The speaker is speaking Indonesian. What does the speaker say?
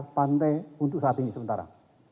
aktivitas di sekitar pantai untuk saat ini sementara